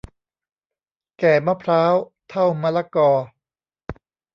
แก่มะพร้าว เฒ่ามะละกอ